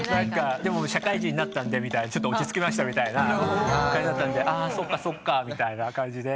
社会人になったんでちょっと落ち着きましたみたいな感じだったんでそっかそっかみたいな感じで。